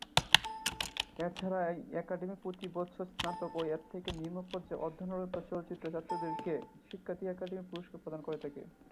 এছাড়াও একাডেমি প্রতি বছর স্নাতক ও এর থেকে নিম্ন পর্যায়ে অধ্যয়নরত চলচ্চিত্রের ছাত্রদেরকে শিক্ষার্থী একাডেমি পুরস্কার প্রদান করে থাকে।